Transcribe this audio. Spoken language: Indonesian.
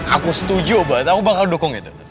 aku setuju buat aku bakal dukung itu